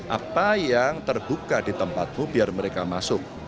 apa yang terbuka di tempatmu biar mereka masuk